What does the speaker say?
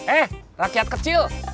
eh rakyat kecil